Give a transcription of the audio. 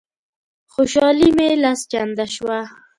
خوشالي مي لس چنده شوه.